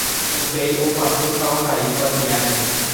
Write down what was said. upéi oguapy ha ohai kuatiáre